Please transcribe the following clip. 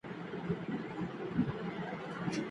ایا نوي کروندګر وچ زردالو صادروي؟